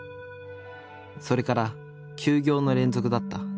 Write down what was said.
それから休業の連続だった。